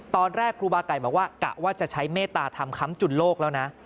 ตอนแรกครูบาไก่บอกว่ากะว่าจะใช้เมตตาธรรมค้ำจุนโลกแล้วนะ